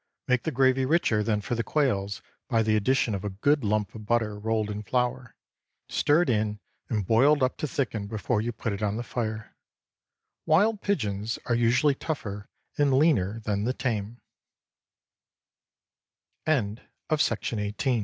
Make the gravy richer than for the quails, by the addition of a good lump of butter, rolled in flour, stirred in and boiled up to thicken before you put it on the fire. Wild pigeons are usually tougher and leaner than the tame. WILD DUCKS.